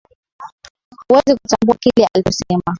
Huwezi kutambua kile alichosema